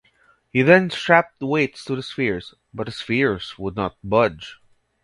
He then strapped weights to the spheres, but the spheres would not budge.